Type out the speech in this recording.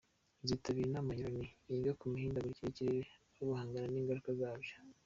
Nzitabira inama ya Loni yiga ku mihindagurikire y’ikirere no guhangana n’ingaruka zabyo”.